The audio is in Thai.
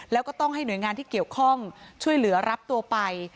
แล้วก็ต้องให้หน่วยงานที่เกี่ยวข้องช่วยเหลือรับตัวไป